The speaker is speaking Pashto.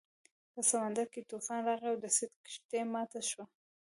په سمندر کې طوفان راغی او د سید کښتۍ ماته شوه.